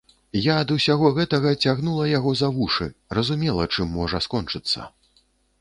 Я ад усяго гэтага цягнула яго за вушы, разумела, чым можа скончыцца.